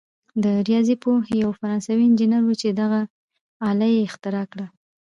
دا ریاضي پوه یو فرانسوي انجنیر وو چې دغه آله یې اختراع کړه.